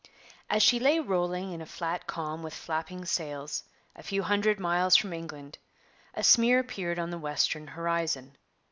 As she lay rolling in a flat calm with flapping sails, a few hundred miles from England, a smear appeared on the western horizon.